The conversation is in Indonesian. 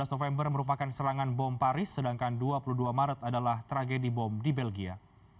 dua belas november merupakan serangan bom paris sedangkan dua puluh dua maret adalah tragedi bom di belgia